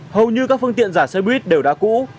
hầu như các phương tiện giả xe buýt đều đã cũ